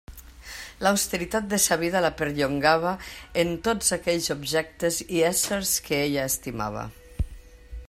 L'austeritat de sa vida la perllongava en tots aquells objectes i éssers que ella estimava.